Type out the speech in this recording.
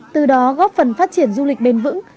từ đó góp phần phát triển du lịch bền vững